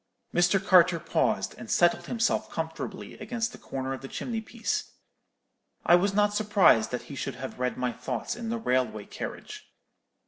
"Mr. Carter paused, and settled himself comfortably against the corner of the chimney piece. I was not surprised that he should have read my thoughts in the railway carriage.